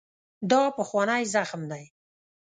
دا پخوانی زخم دی.